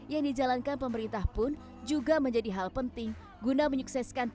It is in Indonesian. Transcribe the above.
yang dijalankan pemerintah pun juga menjadi hal penting guna menyukseskan